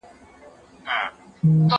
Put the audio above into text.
چي محفل د شرابونو به تيار وو